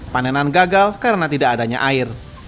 panenan gagal karena tidak adanya air